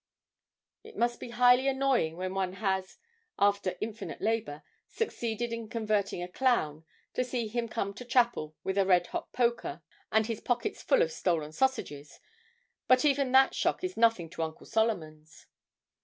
It must be highly annoying when one has, after infinite labour, succeeded in converting a clown, to see him come to chapel with a red hot poker and his pockets full of stolen sausages; but even that shock is nothing to Uncle Solomon's.